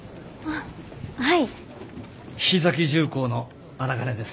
菱崎重工の荒金です。